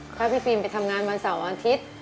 ถ้าพี่ฟิล์มไปทำงานวันเสาร์วันอาทิตย์